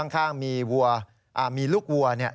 ข้างมีลูกวัวเนี่ย